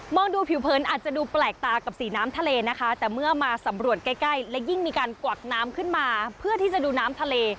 ดูผิวเผินอาจจะดูแปลกตากับสีน้ำทะเลนะคะแต่เมื่อมาสำรวจใกล้ใกล้และยิ่งมีการกวักน้ำขึ้นมาเพื่อที่จะดูน้ำทะเล